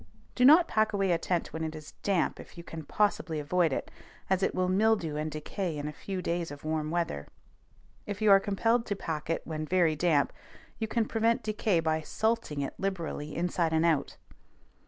Do not pack away a tent when it is damp if you can possibly avoid it, as it will mildew and decay in a few days of warm weather. If you are compelled to pack it when very damp, you can prevent decay by salting it liberally inside and out.